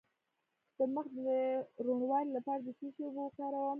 د مخ د روڼوالي لپاره د څه شي اوبه وکاروم؟